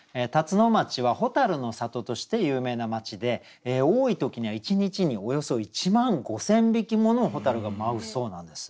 辰野町は蛍の里として有名な町で多い時には１日におよそ１万５，０００匹もの蛍が舞うそうなんです。